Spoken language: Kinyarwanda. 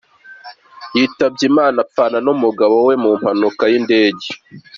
yitabye Imana apfana n’umugabo we mu mpanuka y’indege.